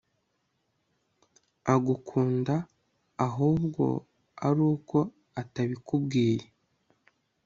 agukunda ahubwo aruko atabikubwiye